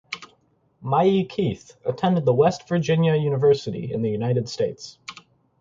Mayi Kith attended the West Virginia University in the United States.